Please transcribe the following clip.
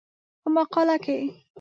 په مقاله کې